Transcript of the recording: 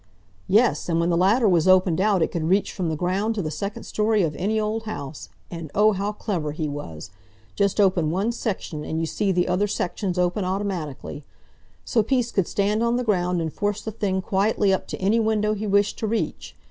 "Yes, and when the ladder was opened out it could reach from the ground to the second storey of any old house. And, oh! how clever he was! Just open one section, and you see the other sections open automatically; so Peace could stand on the ground and force the thing quietly up to any window he wished to reach.